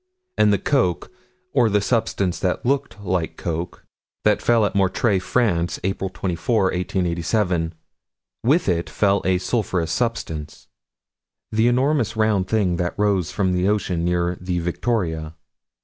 And the coke or the substance that looked like coke that fell at Mortrée, France, April 24, 1887: with it fell a sulphurous substance. The enormous round things that rose from the ocean, near the Victoria.